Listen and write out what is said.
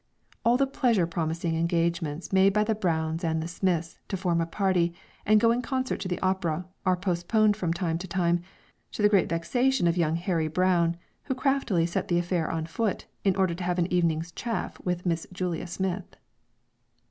All the pleasure promising engagements made by the Browns and the Smiths to form a party, and go in concert to the opera, are postponed from time to time, to the great vexation of young Harry Brown, who craftily set the affair on foot, in order to have an evening's "chaff" with Miss Julia Smith.